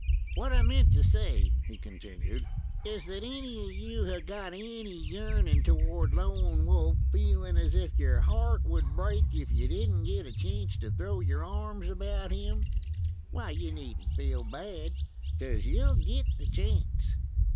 "What I meant to say," he continued, "is that any of you have got any yearnin' toward Lone Wolf, feeling as if your heart would break if you did n't get a chance to throw your arms about him, why, you need n't feel bad, 'cause you'll get the chance."